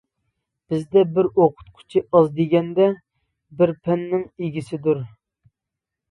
بىزدە بىر ئوقۇتقۇچى ئاز دېگەندە بىر پەننىڭ ئىگىسىدۇر.